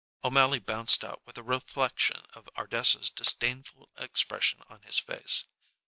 O'Mally bounced out with a reflection of Ardessa's disdainful expression on his face.